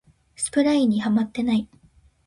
スプラインにハマってない